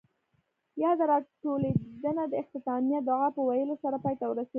ياده راټولېدنه د اختتامیه دعاء پۀ ويلو سره پای ته ورسېده.